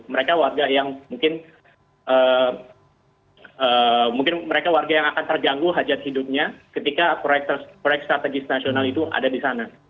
mereka warga yang mungkin mereka warga yang akan terganggu hajat hidupnya ketika proyek strategis nasional itu ada di sana